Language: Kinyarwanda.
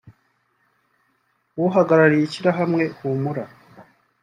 uhagararariye ishyirahamwe Humura